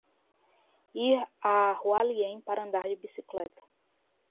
Ir a Hualien para andar de bicicleta